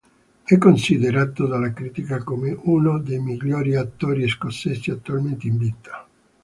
È considerato dalla critica come uno dei migliori attori scozzesi attualmente in vita.